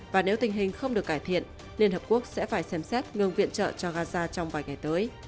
và nếu tình hình không được cải thiện liên hợp quốc sẽ phải xem xét ngừng viện trợ cho gaza trong vài ngày tới